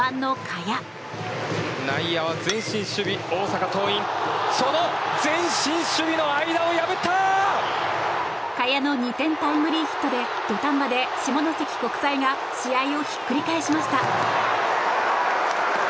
賀谷の２点タイムリーヒットで土壇場で下関国際が試合をひっくり返しました。